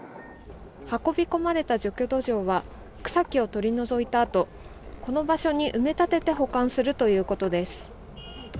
運び込まれた除去土壌は草木を取り除いたあとこの場所に埋め立てて保管するということです